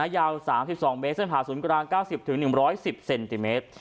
ยาว๓๒เมตรเส้นผ่าศูนย์กลาง๙๐๑๑๐เซนติเมตร